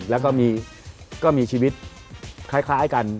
แล้วก็มีชีวิตคล้ายกัน